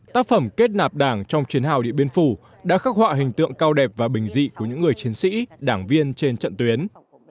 tác phẩm kết nạp đảng trong chiến hào điện biên phủ đã khắc họa hình tượng cao đẹp và bình dị của những người chiến sĩ đảng viên trên trận tuyến